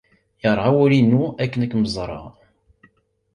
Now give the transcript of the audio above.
Yerɣa wul-inu akken ad kem-ẓreɣ.